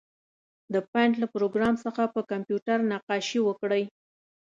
د پېنټ له پروګرام څخه په کمپیوټر نقاشي وکړئ.